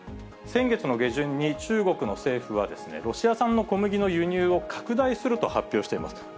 先月の下旬に中国の政府はロシア産の小麦の輸入を拡大すると発表しています。